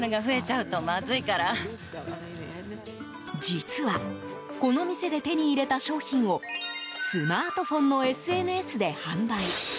実はこの店で手に入れた商品をスマートフォンのＳＮＳで販売。